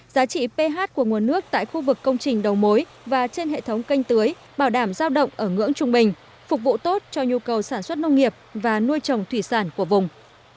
giá trị ph của nguồn nước tại khu vực công trình đầu mối và trên hệ thống canh tưới bảo đảm giao động ở ngưỡng trung bình phục vụ tốt cho nhu cầu sản xuất nông nghiệp và nuôi trồng thủy sản của vùng